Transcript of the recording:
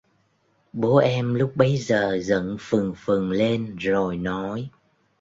Bố em lúc bấy giờ giận phừng phừng lên rồi nói